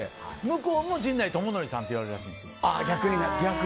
向こうも陣内智則さんって言われるらしいんです、逆に。